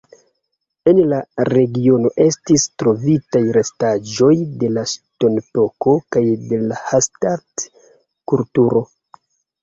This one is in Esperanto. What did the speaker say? En la regiono estis trovitaj restaĵoj de la ŝtonepoko kaj de la Hallstatt-kulturo.